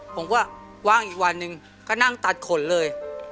ผมก็ว่างอีกวันหนึ่งก็นั่งตัดขนเลย